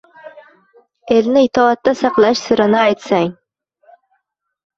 — Elni itoatda saqlash sirini aytsang?